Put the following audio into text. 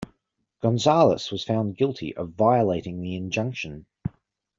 Gonzalez was found guilty of violating the injunction.